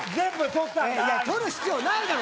取る必要ないだろ